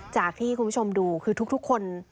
จากที่คุณผู้ชมดูคือทุกคน